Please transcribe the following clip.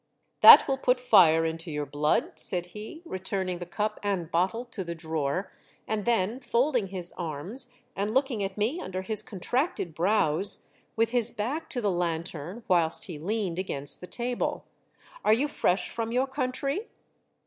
"That will put fire into your blood," said he, returning the cup and bottle to the drawer, and then folding his arms and looking at me under his contracted brows, with his back to the lanthorn whilst he leaned against the table. " Are you fresh from your country